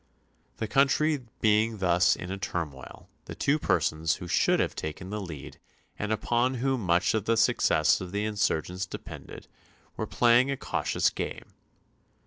The country being thus in a turmoil the two persons who should have taken the lead and upon whom much of the success of the insurgents depended were playing a cautious game.